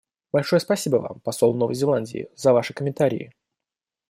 Большое спасибо вам, посол Новой Зеландии, за ваши комментарии.